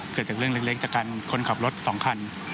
เกิดจากเรื่องเล็กจากการคนขับรถ๒คัน